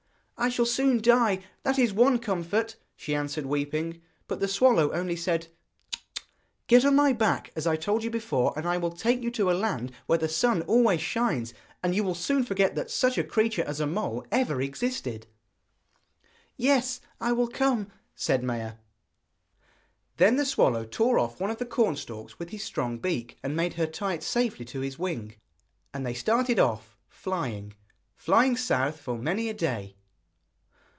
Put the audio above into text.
'I shall soon die, that is one comfort,' she answered weeping. But the swallow only said: 'Tut! tut! get on my back, as I told you before, and I will take you to a land where the sun always shines, and you will soon forget that such a creature as a mole ever existed.' 'Yes, I will come,' said Maia. Then the swallow tore off one of the corn stalks with his strong beak, and bade her tie it safely to his wing. And they started off, flying, flying south for many a day.